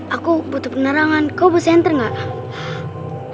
aku butuh penerangan kau buat senter gak